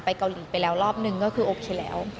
เกาหลีไปแล้วรอบนึงก็คือโอเคแล้ว